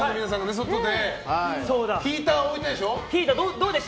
外で、ヒーター置いてたでしょ？